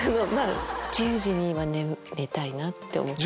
１０時には眠りたいなって思って。